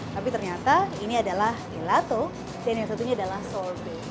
tapi ternyata ini adalah gelato dan yang satunya adalah sorbeat